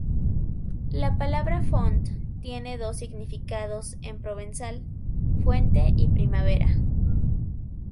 La palabra "font" tiene dos significados en provenzal, "fuente" y "primavera".